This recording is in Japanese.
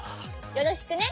よろしくね！